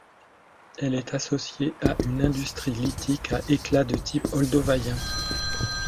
Elle est associée à une industrie lithique à éclats de type oldowayen.